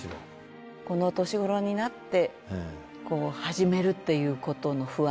この年頃になって始めるっていうことの不安。